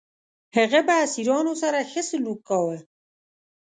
هغه به اسیرانو سره ښه سلوک کاوه.